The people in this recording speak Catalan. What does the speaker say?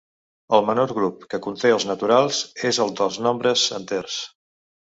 El menor grup que conté els naturals és el dels nombres enters.